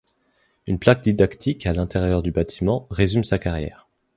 Une plaque didactique à l'intérieur du bâtiment résume sa carrière.